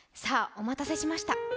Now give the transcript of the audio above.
お待たせしました。